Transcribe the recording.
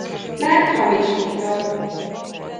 Mert hamisítom!